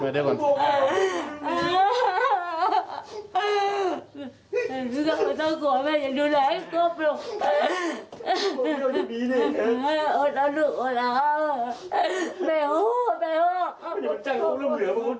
ได้ก่อน